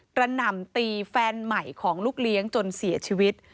หน่ำตีแฟนใหม่ของลูกเลี้ยงจนเสียชีวิต